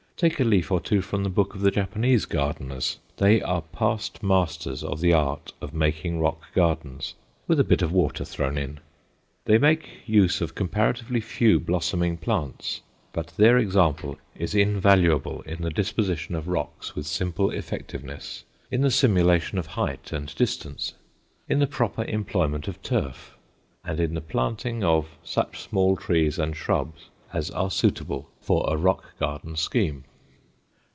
Take a leaf or two from the book of the Japanese gardeners. They are past masters of the art of making rock gardens, with a bit of water thrown in. They make use of comparatively few blossoming plants, but their example is invaluable in the disposition of rocks with simple effectiveness, in the simulation of height and distance, in the proper employment of turf, and in the planting of such small trees and shrubs as are suitable for a rock garden scheme.